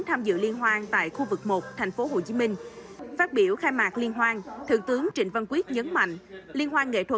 tham dự liên hoan tại khu vực một thành phố hồ chí minh